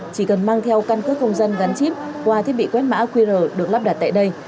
chỉ cần mang theo căn cước công dân gắn chip qua thiết bị quét mã qr được lắp đặt tại đây